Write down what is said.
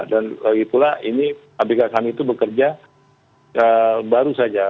dan lagi pula ini abk kami itu bekerja baru saja